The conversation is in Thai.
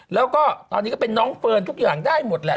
แล้วก็ตอนนี้ก็เป็นน้องเฟิร์นทุกอย่างได้หมดแหละ